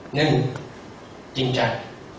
หนึ่งจริงใจ